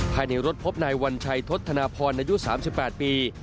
ภายในรถพบนายวัญชัยทศธนาพรอายุ๓๘ปี